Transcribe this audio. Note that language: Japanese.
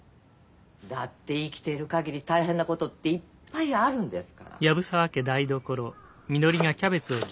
だって生きている限り大変なことっていっぱいあるんですから。